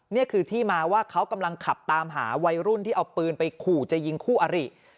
นี่คือที่มาว่าเขากำลังขับตามหาวัยรุ่นที่เอาปืนไปขู่จะยิงคู่อริ